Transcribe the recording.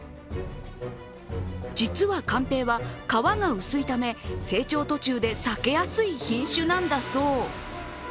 実は甘平は皮が薄いため成長途中で裂けやすい品種なんだそう。